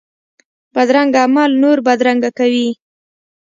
بدرنګه عمل نور بدرنګه کوي